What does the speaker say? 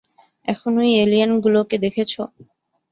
এখন ঐ অ্যালিয়েনগুলোকে দেখছ?